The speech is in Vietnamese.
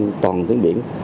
đều trên toàn tiếng biển